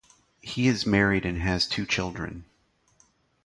He is married, has two children.